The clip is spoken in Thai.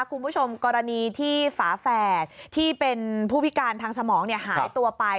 คุณผู้ชมกรณีที่ฝาแฝดที่เป็นผู้พิการทางสมองหายตัวไป